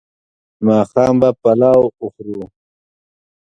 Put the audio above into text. ماښام به پلاو وخورو